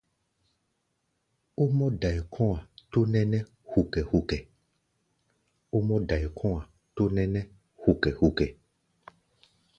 Ó mɔ́-dai kɔ̧́-a̧ tó nɛ́nɛ́ hukɛ-hukɛ.